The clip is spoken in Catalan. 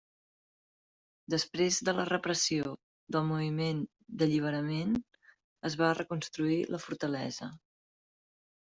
Després de la repressió del moviment d'alliberament es va reconstruir la fortalesa.